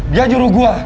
dia juru gue